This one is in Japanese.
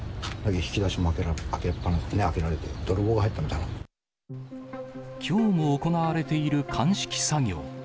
引き出しも開けられていて、きょうも行われている鑑識作業。